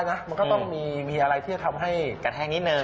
มันก็ต้องมีอะไรที่จะทำให้กระแทกนิดนึ